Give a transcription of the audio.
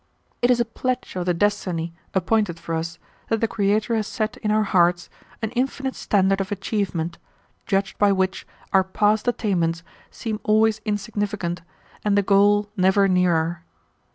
"It is a pledge of the destiny appointed for us that the Creator has set in our hearts an infinite standard of achievement, judged by which our past attainments seem always insignificant, and the goal never nearer.